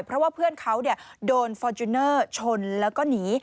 เพราะว่าเพื่อนเขาโดนฟอร์จูเนอร์ชนแล้วก็หนี